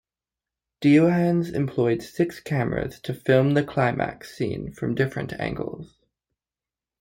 Deohans employed six cameras to film the climax scene from different angles.